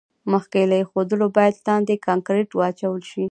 مخکې له ایښودلو باید لاندې کانکریټ واچول شي